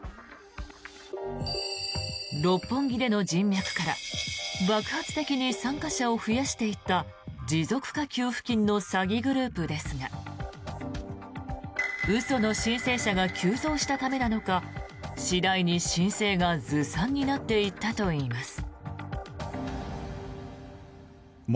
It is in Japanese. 六本木での人脈から爆発的に参加者を増やしていった持続化給付金の詐欺グループですが嘘の申請者が急増したためなのか次第に申請がずさんになっていったといいます。